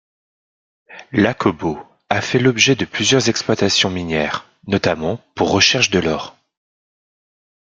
L'Akobo a fait l'objet de plusieurs exploitations minières, notamment pour recherche de l'or.